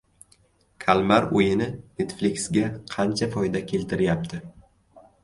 «Kalmar o‘yini» "Netflix"ga qancha foyda keltiryapti?